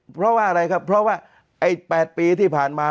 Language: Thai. เพราะว่าอะไรครับเพราะว่าไอ้๘ปีที่ผ่านมา